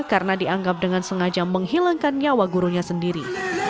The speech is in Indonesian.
karena dianggap dengan sengaja menghilangkan nyawa gurunya sendiri